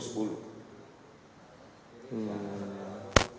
satu kali lewat pak